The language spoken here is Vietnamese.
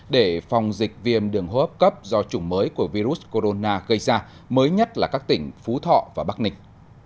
để phòng dịch viêm đường hốp cấp do chủng mới của virus corona gây ra mới nhất là các tỉnh phú thọ và bắc nịch